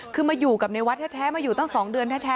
คือมาอยู่กับในวัดแท้มาอยู่ตั้ง๒เดือนแท้